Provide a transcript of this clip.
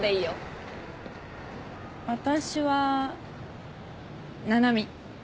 私は七海。